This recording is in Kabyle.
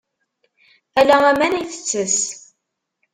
Ala aman ay yettess.